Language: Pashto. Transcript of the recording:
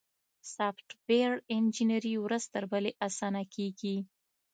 سافټویر انجینري ورځ تر بلې اسانه کیږي.